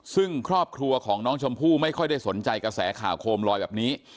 ซึ่งครอบครัวของน้องชมพู่ไม่ค่อยได้สนใจกระแสข่าวโคมลอยแบบนี้